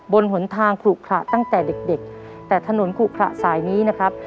หนทางขลุขระตั้งแต่เด็กเด็กแต่ถนนขุขระสายนี้นะครับ